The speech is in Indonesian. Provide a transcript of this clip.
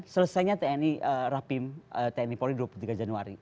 selesainya tni rapim tni polri dua puluh tiga januari